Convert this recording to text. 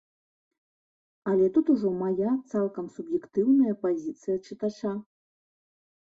Але тут ужо мая цалкам суб'ектыўная пазіцыя чытача.